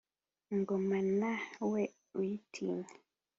ingoma nta we uyitinyira